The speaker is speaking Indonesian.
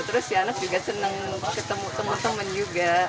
terus si anak juga senang ketemu teman teman juga